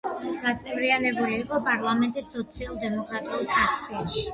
გაწევრიანებული იყო პარლამენტის სოციალ-დემოკრატიულ ფრაქციაში.